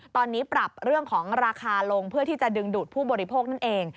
ตอนนี้ปรับเรื่องของราคาลงเพื่อที่จะดึงดูดผู้บริโภคนั่นเอง